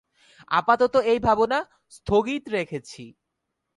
আপাতত এই ভাবনা স্থগিত রেখেছি।